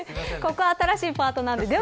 ここ、新しいパートなので。